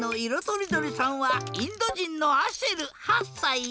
とりどりさんはインドじんのアシェル８さい。